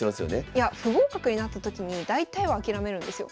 いや不合格になった時に大体は諦めるんですよ。